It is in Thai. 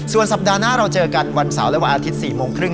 ส่วนสัปดาห์หน้าเราเจอกันวันเสาร์และวันอาทิตย์๔โมงครึ่ง